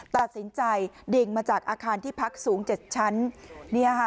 ตัดสินใจดิ่งมาจากอาคารที่พักสูง๗ชั้น